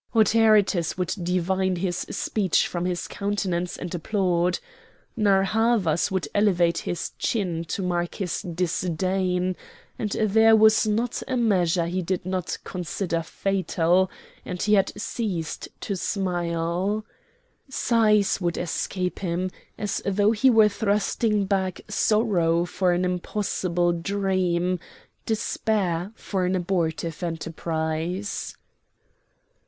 Autaritus would divine his speech from his countenance and applaud. Narr' Havas would elevate his chin to mark his disdain; there was not a measure he did not consider fatal; and he had ceased to smile. Sighs would escape him as though he were thrusting back sorrow for an impossible dream, despair for an abortive enterprise.